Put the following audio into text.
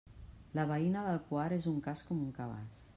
La veïna del quart és un cas com un cabàs.